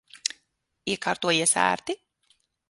Iekārtojies ērti?